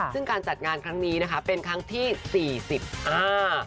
ซึ่งการจัดงานครั้งนี้เป็นครั้งที่๔๐อ่า